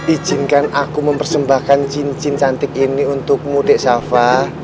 izinkan aku mempersembahkan cincin cantik ini untukmu dek shafa